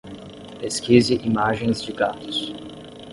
Pesquise imagens de gatos.